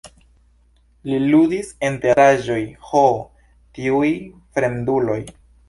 Li ludis en teatraĵoj "Ho, tiuj fremduloj!